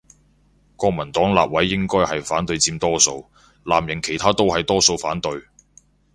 國民黨立委應該係反對佔多數，藍營其他都係多數反對